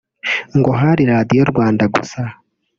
ngo hari radiyo Rwanda gusa